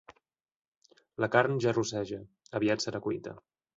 La carn ja rosseja: aviat serà cuita.